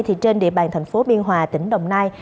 thì trên địa bàn thành phố biên hòa tỉnh đồng nai